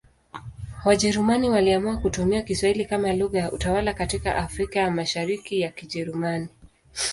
Wajerumani waliamua kutumia Kiswahili kama lugha ya utawala katika Afrika ya Mashariki ya Kijerumani.